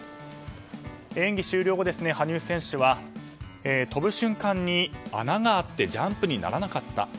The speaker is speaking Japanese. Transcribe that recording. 演技終了後、羽生選手は跳ぶ瞬間に穴があってジャンプにならなかった。